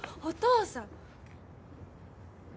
お父さん。